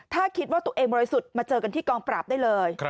ถ้าคิดว่าตัวเองบริสุทธิ์มาเจอกันที่กองปราบได้เลย